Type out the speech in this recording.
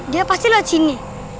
dia pasti lewat sini